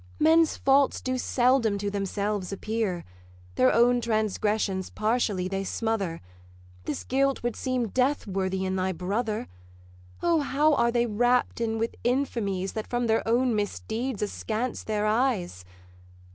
Men's faults do seldom to themselves appear; Their own transgressions partially they smother: This guilt would seem death worthy in thy brother. O, how are they wrapp'd in with infamies That from their own misdeeds askance their eyes!